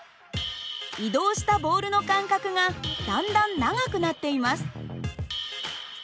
移動したボールの間隔がだんだん長くなっています。